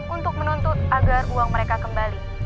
untuk menuntut agar uang mereka kembali